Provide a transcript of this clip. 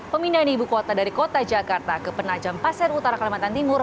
pemindahan ibu kota dari kota jakarta ke penajam pasir utara kalimantan timur